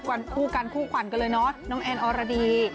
กั้นกันฟูกกว่ากันเลยเนาะแอ้นอกราดี